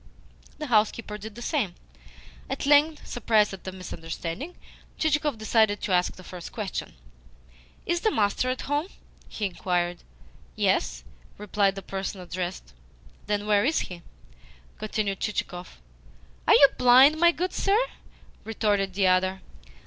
The housekeeper did the same. At length, surprised at the misunderstanding, Chichikov decided to ask the first question. "Is the master at home?" he inquired. "Yes," replied the person addressed. "Then were is he?" continued Chichikov. "Are you blind, my good sir?" retorted the other.